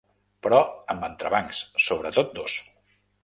Però amb entrebancs, sobretot dos.